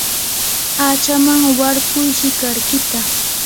hachaman warkuy shikarkita.